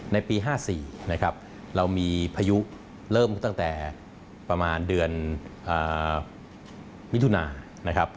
ในปี๕๔เรามีพายุเริ่มตั้งแต่ประมาณเดือนมิถุนา